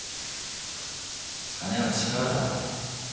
金は力だ。